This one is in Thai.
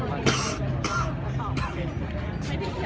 แม่กับผู้วิทยาลัย